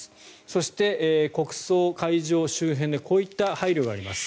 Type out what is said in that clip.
そして、国葬会場周辺でこういった配慮があります。